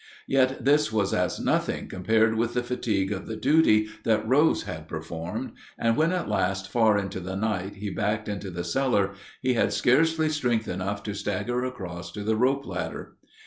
Yet this was as nothing compared with the fatigue of the duty that Rose had performed; and when at last, far into the night, he backed into the cellar, he had scarcely strength enough to stagger across to the rope ladder.